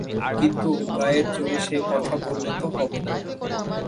কিন্তু গায়ের জোরে সে কথা বললে তো হবে না।